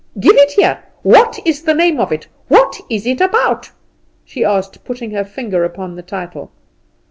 "Give it here. What is the name of it? What is it about?" she asked, putting her finger upon the title.